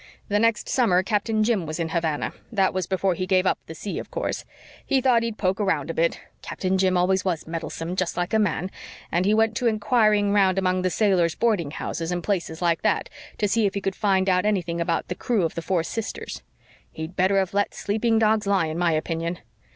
The next summer Captain Jim was in Havana that was before he gave up the sea, of course. He thought he'd poke round a bit Captain Jim was always meddlesome, just like a man and he went to inquiring round among the sailors' boarding houses and places like that, to see if he could find out anything about the crew of the Four Sisters. He'd better have let sleeping dogs lie, in my opinion!